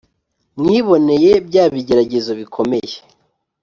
Mwiboneye bya bigeragezo bikomeye